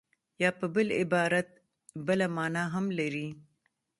یا په بل عبارت بله مانا هم لري